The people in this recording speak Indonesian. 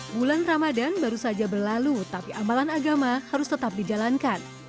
bulan ramadan baru saja berlalu tapi amalan agama harus tetap dijalankan